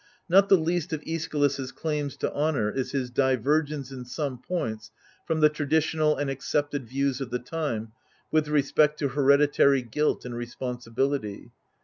Not the least of ^Eschylus' claims to honour is his divergence, in some points, from the traditional and accepted views of the time, with respect to hereditary guilt and responsibility.